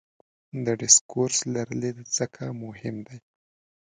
د ډسکورس لرلید ځکه مهم دی.